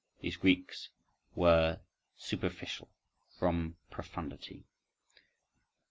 These Greeks were superficial—from profundity.